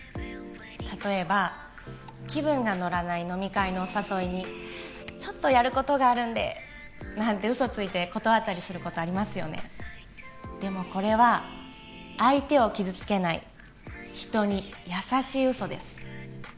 例えば気分が乗らない飲み会のお誘いにちょっとやることがあるんでなんて嘘ついて断ったりすることありますよねでもこれは相手を傷つけない人に優しい嘘です